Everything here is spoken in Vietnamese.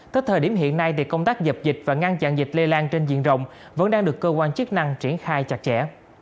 tới thời điểm hiện nay thì công tác dập dịch và ngăn chặn dịch lây lan trên diện rộng vẫn đang được cơ quan chức năng triển khai chặt chẽ